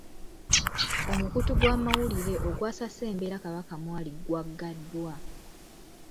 Omukutu gw'amawulire ogwasase embeera Kabaka mwali gwagaddwa.